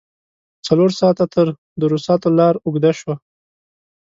څلور ساعته تر دروساتو لار اوږده شوه.